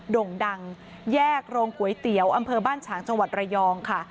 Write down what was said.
ด่งดังแยกโรงก๋วยเตี๋ยวอำเภอบ้านฉางจังหวัดระยองค่ะ